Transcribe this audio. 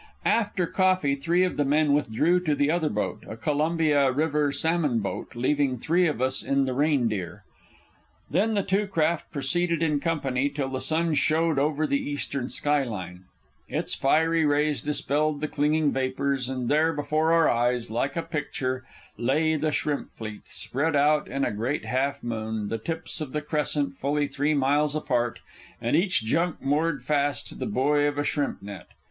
After coffee, three of the men withdrew to the other boat, a Columbia River salmon boat, leaving three of us in the Reindeer. Then the two craft proceeded in company till the sun showed over the eastern skyline. Its fiery rays dispelled the clinging vapors, and there, before our eyes, like a picture, lay the shrimp fleet, spread out in a great half moon, the tips of the crescent fully three miles apart, and each junk moored fast to the buoy of a shrimp net.